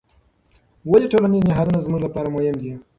ولې ټولنیز نهادونه زموږ لپاره مهم دي؟